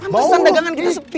mantesan dagangan kita sepi